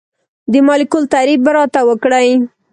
د مالیکول تعریف به راته وکړئ.